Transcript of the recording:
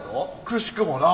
くしくもな。